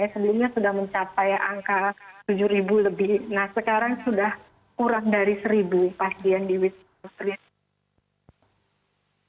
sebelumnya sudah mencapai angka tujuh ribu lebih nah sekarang sudah kurang dari seribu pasien di wisma